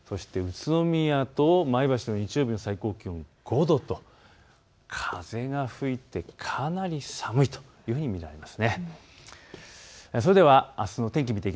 東京日曜日８度、千葉も８度、そして宇都宮と前橋の日曜日の最高気温５度と、風が吹いてかなり寒いというふうに見られます。